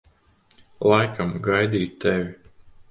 Laikam gaidīju tevi.